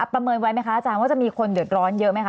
ประเมินไว้ไหมคะอาจารย์ว่าจะมีคนเดือดร้อนเยอะไหมคะ